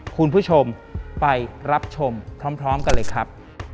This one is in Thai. คุณผู้ชมไปรับชมพร้อมกันเลยครับ